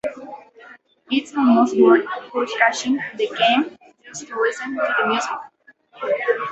It is almost worth purchasing the game just to listen to the music.